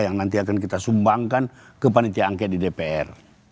yang nanti akan kita sumbangkan ke panitia angket di dpr